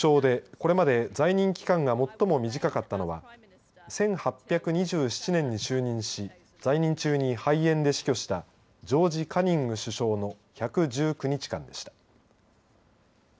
イギリスの首相でこれまで在任期間が最も短かったのは１８２７年に就任し在任中に肺炎で死去したジョージ・カニング首相の１１９日間でした。